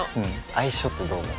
相性ってどう思う？